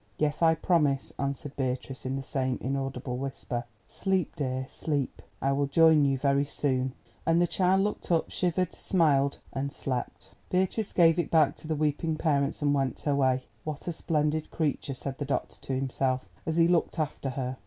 "Yes, I promise," answered Beatrice in the same inaudible whisper. "Sleep, dear, sleep; I will join you very soon." And the child looked up, shivered, smiled—and slept. Beatrice gave it back to the weeping parents and went her way. "What a splendid creature," said the doctor to himself as he looked after her.